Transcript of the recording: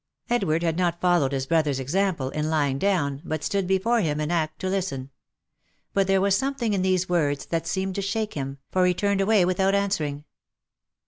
Edward had not followed his brother's example, in lying down, but stood before him in act to listen. But there w r as something in these words that seemed to shake him, for he turned away without answer ing.